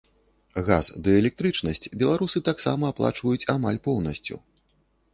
Газ ды электрычнасць беларусы таксама аплачваюць амаль поўнасцю.